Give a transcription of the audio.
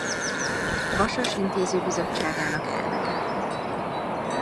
Vasas intézőbizottságának elnöke.